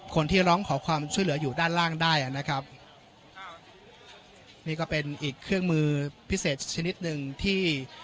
คนที่ร้องขอความช่วยเหลืออยู่ด้านล่างได้นะครับนี่ก็เป็นอีกเครื่องมือพิเศษชนิดหนึ่งที่